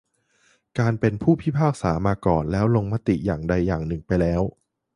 การเป็นผู้พิพากษามาก่อนแล้วลงมติอย่างใดอย่างหนึ่งไปแล้ว